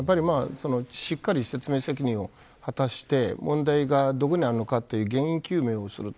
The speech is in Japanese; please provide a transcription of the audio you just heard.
しっかり、説明責任を果たして問題がどこにあるのかの原因究明をする。